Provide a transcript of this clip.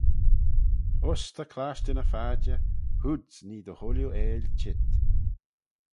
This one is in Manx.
Uss ta clashtyn y phadjer: hoods nee dy chooilley eill cheet.